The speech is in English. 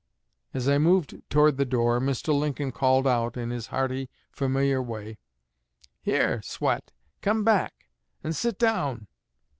As I moved toward the door, Mr. Lincoln called out, in his hearty, familiar way, 'Here, Swett, come back and sit down.'